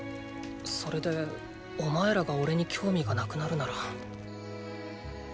それでお前らがおれに興味がなくなるなら。